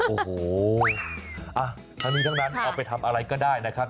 โอ้โหทั้งนี้ทั้งนั้นเอาไปทำอะไรก็ได้นะครับ